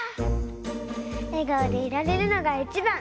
えがおでいられるのがいちばん！